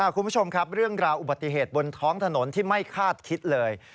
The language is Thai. คุณผู้ชมครับเรื่องราวอุบัติเหตุบนท้องถนนที่ไม่คาดคิดเลย